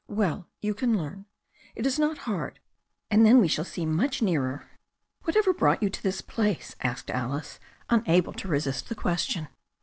"Well, you can learn. It is not hard. And then we shall seem much nearer." "Whatever brought you to this place?" asked Alice, un able to resist the question.